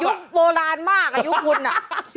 ยุคโบราณมากยุคคุณะ